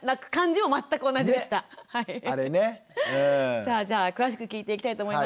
さあじゃあ詳しく聞いていきたいと思いますけど。